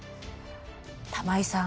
玉井さん